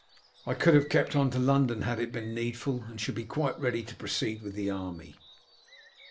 I could have kept on to London had it been needful, and shall be quite ready to proceed with the army."